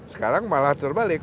sekarang malah terbalik